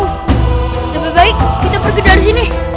lebih baik kita pergi dari sini